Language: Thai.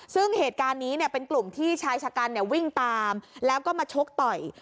ซึ่งเหตุการณ์นี้เนี่ยเป็นกลุ่มที่ชายชะกันวิ่งตามแล้วก็มาชกต่อย